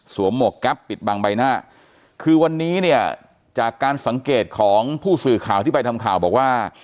หมวกแก๊ปปิดบังใบหน้าคือวันนี้เนี่ยจากการสังเกตของผู้สื่อข่าวที่ไปทำข่าวบอกว่า